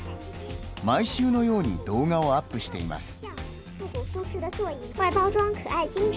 毎週のように動画をアップしています。